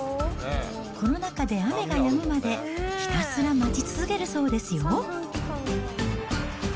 この中で雨がやむまでひたすら待ち続けるそうですよ。